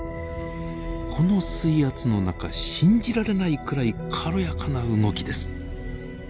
この水圧の中信じられないくらい軽やかな動きです。